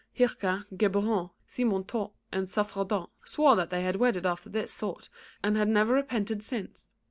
Hircan, Geburon, Simontault and Saffredent swore that they had wedded after this sort, and had never repented since.